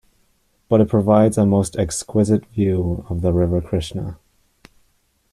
But it provides a most exquisite view of the river Krishna.